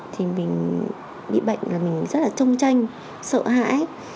thì mình bị bệnh là mình rất là trông tranh sợ hãi